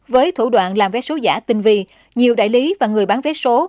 với thủ đoạn làm vé số giả tinh vi nhiều đại lý và người bán vé số